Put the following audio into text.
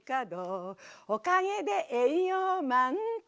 「おかげで栄養満点。